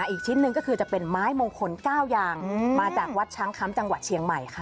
อีกชิ้นหนึ่งก็คือจะเป็นไม้มงคล๙อย่างมาจากวัดช้างคำจังหวัดเชียงใหม่ค่ะ